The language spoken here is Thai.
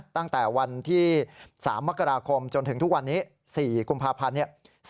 ตั้งแต่วันที่๓มกราคมจนถึงทุกวันนี้๔กุมภาพันธ์